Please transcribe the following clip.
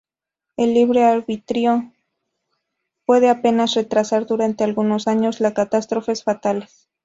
El libre arbitrio puede apenas retrasar, durante algunos años, las catástrofes fatales.